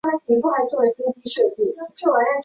个人专辑合辑